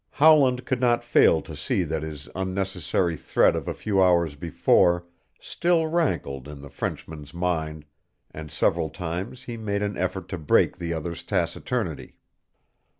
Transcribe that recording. Howland could not fail to see that his unnecessary threat of a few hours before still rankled in the Frenchman's mind, and several times he made an effort to break the other's taciturnity.